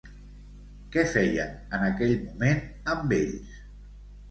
Què feien en aquell moment amb ells?